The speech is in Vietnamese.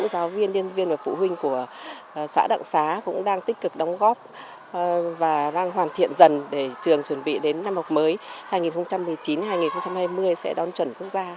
các giáo viên nhân viên và phụ huynh của xã đặng xá cũng đang tích cực đóng góp và đang hoàn thiện dần để trường chuẩn bị đến năm học mới hai nghìn một mươi chín hai nghìn hai mươi sẽ đón chuẩn quốc gia